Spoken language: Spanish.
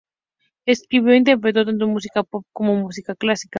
Escribió e interpretó tanto música pop como música clásica.